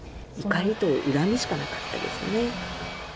怒りと恨みしかなかったですね。